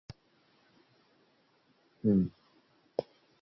Bola tipirchiladi, ammo beqasam choponlik changalidan chiqolmadi.